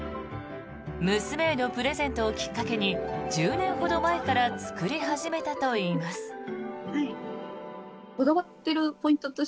娘へのプレゼントをきっかけに１０年ほど前から作り始めたといいます。